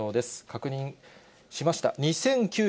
確認しました。